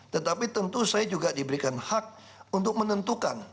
tetapi tentu saya juga diberikan hak untuk menentukan